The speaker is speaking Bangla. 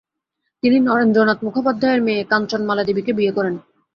তিনি নরেন্দ্রনাথ মুখোপাধ্যায়ের মেয়ে কাঞ্চনমালা দেবীকে বিয়ে করেন।